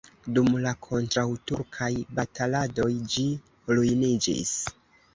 Dum la kontraŭturkaj bataladoj ĝi ruiniĝis.